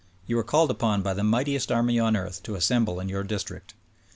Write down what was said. You are called upon by the mightiest army on earth to assemble in your district!